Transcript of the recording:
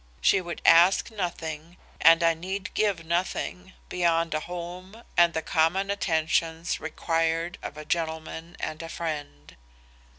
She would ask nothing, and I need give nothing, beyond a home and the common attentions required of a gentleman and a friend.